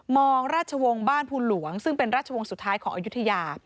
งราชวงศ์บ้านภูหลวงซึ่งเป็นราชวงศ์สุดท้ายของอายุทยา